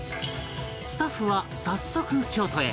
スタッフは早速京都へ